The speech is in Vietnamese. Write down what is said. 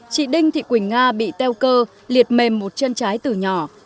chị đinh thị quỳnh nga bị teo cơ liệt mềm một chân trái từ nhỏ